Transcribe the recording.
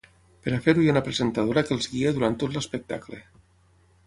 Per fer-ho hi ha una presentadora que els guia durant tot l’espectacle.